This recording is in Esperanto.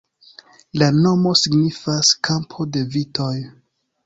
La nomo signifas "kampo de vitoj".